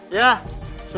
ya sudah turun